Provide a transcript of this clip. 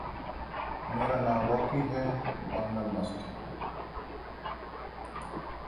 दुनिया के सर्वाधिक प्रभावशाली आंदोलनों में बापू का ‘नमक सत्याग्रह’ भी